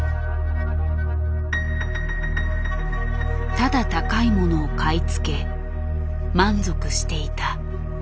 ただ高いものを買い付け満足していた自分。